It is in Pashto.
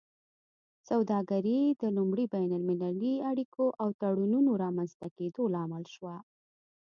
سوداګري د لومړي بین المللي اړیکو او تړونونو رامینځته کیدو لامل شوه